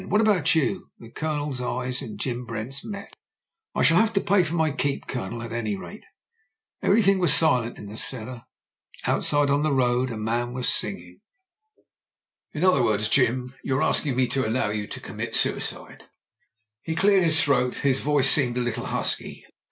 What about you?" The O)loners eyes and Jim Brent's met. "1 shall have paid for my keep. Colonel, at any rate." Everything was very silent in the cellar ; outside on the road a man was singing. "] JIM BRENTS V.C 137 "In other words, Jim, you're asking me to allow you to commit suicide." He cleared his throat; his voice seemed a little husky.